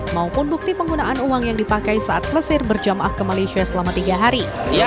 maupun bukti penggunaan uang yang dipakai saat klesir berjamaah ke malaysia selama tiga hari